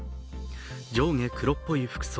上下黒っぽい服装。